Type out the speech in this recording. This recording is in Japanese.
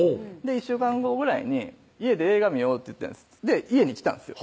１週間後ぐらいに「家で映画見よう」って言って家に来たんですよ